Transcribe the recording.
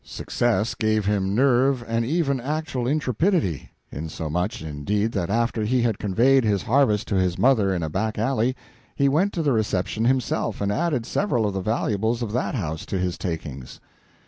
Success gave him nerve and even actual intrepidity; insomuch, indeed, that after he had conveyed his harvest to his mother in a back alley, he went to the reception himself, and added several of the valuables of that house to his takings.